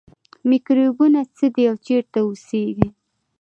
میکروبونه څه دي او چیرته اوسیږي